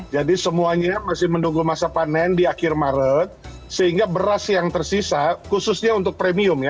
jadi semuanya masih menunggu masa panen di akhir maret sehingga beras yang tersisa khususnya untuk premium ya